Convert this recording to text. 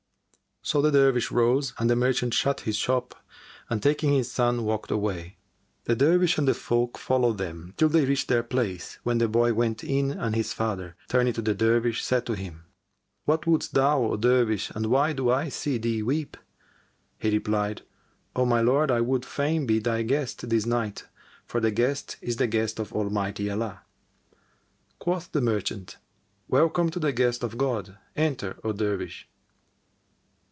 So the Dervish rose and the merchant shut his shop and taking his son, walked away. The Dervish and the folk followed them, till they reached their place, when the boy went in and his father, turning to the Dervish, said to him, "What wouldst thou, O Dervish, and why do I see thee weep?" He replied, "O my lord, I would fain be thy guest this night, for the guest is the guest of Almighty Allah." Quoth the merchant, "Welcome to the guest of God: enter, O Dervish!"